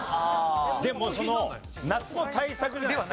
でも夏の対策じゃないですか。